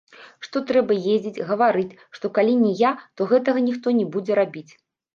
Што трэба ездзіць, гаварыць, што калі не я, то гэтага ніхто не будзе рабіць.